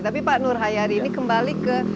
tapi pak nur hayadi ini kembali ke